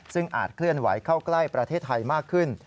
ซึ่งอาจเคลื่อนไหวเข้าใกล้ประเทศไทยมากขึ้น